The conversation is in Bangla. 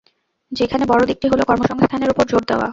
সেখানে বড় দিকটি হলো, কর্মসংস্থানের ওপর জোর দেওয়া।